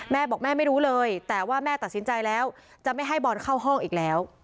แม่บอกแม่ไม่รู้เลยแต่ว่าแม่ตัดสินใจแล้วจะไม่ให้บอลเข้าห้องอีกแล้ว